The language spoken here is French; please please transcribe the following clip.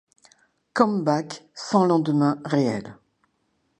Come-back sans lendemain réel.